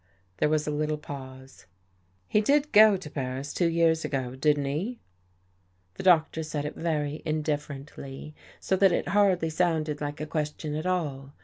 There was a little pause. " He did go to Paris two years ago, didn't he? " The Doctor said it very indifferently, so that it hardly sounded like a question at all.